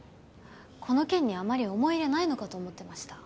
この件にあまり思い入れないのかと思ってました。